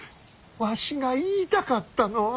わしが言いたかったのは。